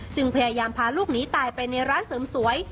พยายามพาลูกหนีตายไปในร้านเสริมสวย